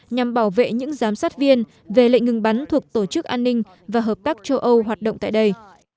nhằm bảo vệ những giám sát viên về lệnh ngừng bắn thuộc tổ chức an ninh và hợp tác châu âu hoạt động tại đây